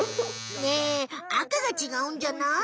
ねえあかがちがうんじゃない？